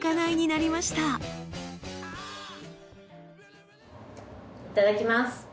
いただきます。